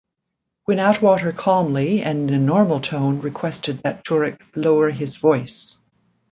When Atwater calmly and in a normal tone requested that Turek lower his voice.